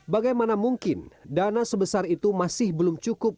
bagaimana mungkin dana sebesar itu masih belum cukup